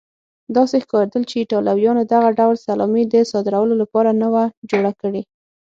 داسې ښکارېدل چې ایټالویانو دغه ډول سلامي د صادرولو لپاره نه وه جوړه کړې.